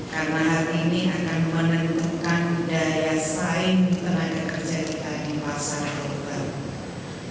karena hal ini akan menentukan daya saing tenaga kerja kita di pasar global